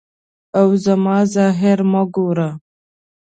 او زما ظاهر مه ګوره.